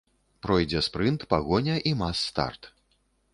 Пройдзе спрынт, пагоня і мас-старт.